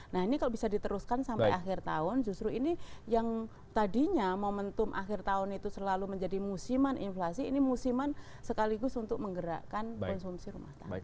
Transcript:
nah ini kalau bisa diteruskan sampai akhir tahun justru ini yang tadinya momentum akhir tahun itu selalu menjadi musiman inflasi ini musiman sekaligus untuk menggerakkan konsumsi rumah tangga